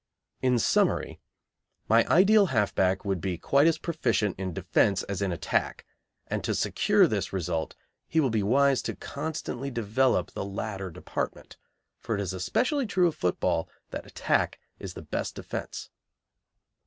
In summary, my ideal half back would be quite as proficient in defence as in attack, and to secure this result he will be wise to constantly develop the latter department, for it is especially true of football that attack is the best defence.